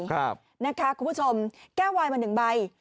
คุณผู้ชมแก้ววายมาหนึ่งใบ